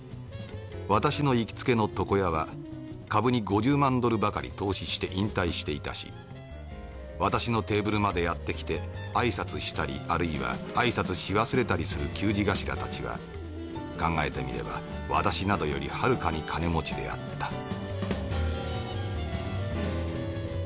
私の行きつけの床屋は株に５０万ドルばかり投資して引退していたし私のテーブルまでやって来て挨拶したりあるいは挨拶し忘れたりする給仕頭たちは考えてみれば私などよりはるかに金持ちであった」。